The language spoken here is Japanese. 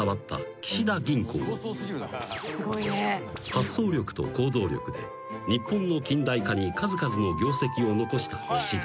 ［発想力と行動力で日本の近代化に数々の業績を残した岸田］